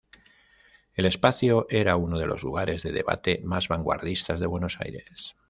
El espacio era uno de los lugares de debate más vanguardistas de Buenos Aires.